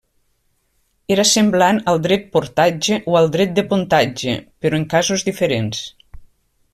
Era semblant al dret portatge o al dret de pontatge, però en casos diferents.